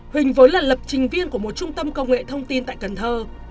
huỳnh vốn là lập trình viên của một trung tâm công nghệ thông tin tại cần thơ